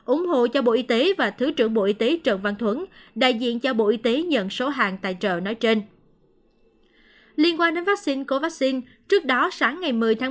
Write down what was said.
ủng hộ cho bộ y tế và thứ trưởng bộ y tế trần văn thuấn đại diện cho bộ y tế nhận số hàng